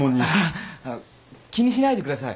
ああ気にしないでください。